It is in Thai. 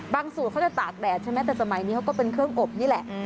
สูตรเขาจะตากแดดใช่ไหมแต่สมัยนี้เขาก็เป็นเครื่องอบนี่แหละ